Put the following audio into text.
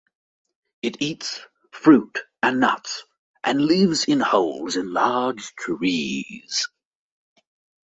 It eats fruit and nuts and lives in holes in large trees.